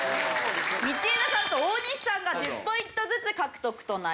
道枝さんと大西さんが１０ポイントずつ獲得となります。